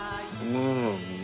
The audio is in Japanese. うん。